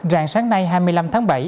rạng sáng nay hai mươi năm tháng bảy